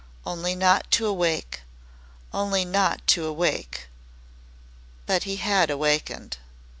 Only not to awake only not to awake! But he had awakened.